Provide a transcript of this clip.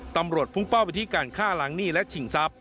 ตำรวจพุ่งเป้าวิธีการฆ่าหลังหนี้และฉิงทรัพย์